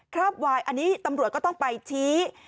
ราบวายอันนี้ตำรวจก็ต้องไปชี้